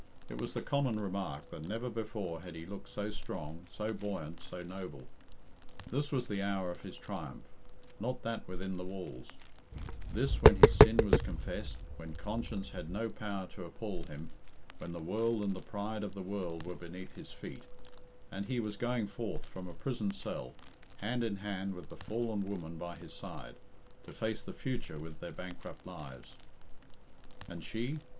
It was the common remark that never before had he looked so strong, so buoyant, so noble. This was the hour of his triumph, not that within the walls; this, when his sin was confessed, when conscience had no power to appal him, when the world and the pride of the world were beneath his feet, and he was going forth from a prison cell, hand in hand with the fallen woman by his side, to face the future with their bankrupt lives. And she?